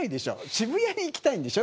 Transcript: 渋谷に行きたいんでしょ。